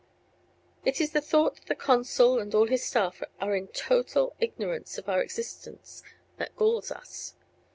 It is the thought that the consul and all his staff are in total ignorance of our existence that galls us.